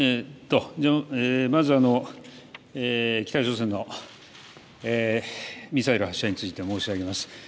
まず北朝鮮のミサイル発射について申し上げます。